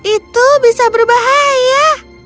itu bisa berbahaya